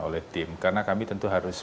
oleh tim karena kami tentu harus